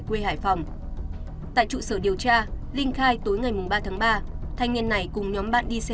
quê hải phòng tại trụ sở điều tra linh khai tối ngày ba tháng ba thanh niên này cùng nhóm bạn đi xe